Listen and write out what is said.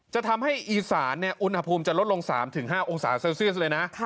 จะทำให้อีสานอุณหภูมิจะลดลง๓๕องศาเซลเซียสเลยนะ